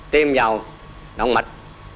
tiêm vào động mạch